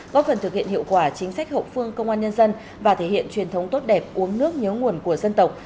góp phần thực hiện hiệu quả chính sách hậu phương công an nhân dân và thể hiện truyền thống tốt đẹp uống nước nhớ nguồn của dân tộc